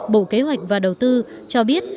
bộ kế hoạch và đầu tư cho biết